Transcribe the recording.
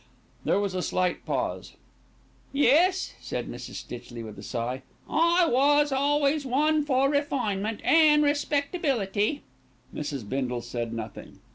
There was a slight pause. "Yes," said Mrs. Stitchley, with a sigh, "I was always one for refinement and respectability." Mrs. Bindle said nothing.